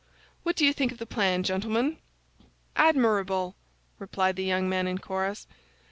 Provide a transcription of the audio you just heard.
What do you think of the plan, gentlemen?" "Admirable!" replied the young men in chorus.